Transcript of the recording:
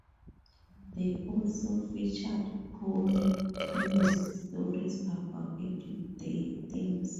They also featured phony news stories about everyday things.